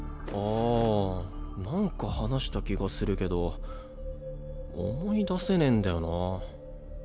ああなんか話した気がするけど思い出せねぇんだよな。